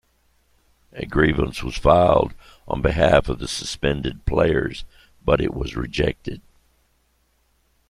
A grievance was filed on behalf of the suspended players, but it was rejected.